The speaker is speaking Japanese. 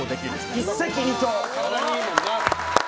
一石二鳥！